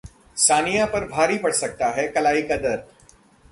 सानिया पर भारी पड़ सकता है कलाई का दर्द